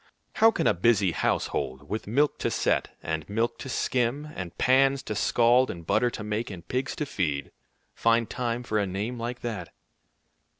How can a busy household, with milk to set, and milk to skim, and pans to scald, and butter to make, and pigs to feed, find time for a name like that?